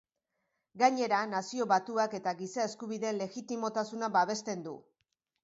Gainera, Nazio Batuak eta Giza Eskubideen legitimotasuna babesten du.